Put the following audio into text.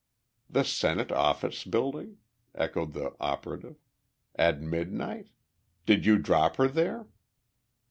"The Senate Office Building?" echoed the operative. "At midnight? Did you drop her there?"